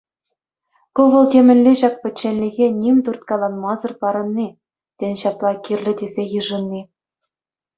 Ку вӑл темӗнле ҫак пӗчченлӗхе ним турткаланмасӑр парӑнни, тен ҫапла кирлӗ тесе йышӑнни.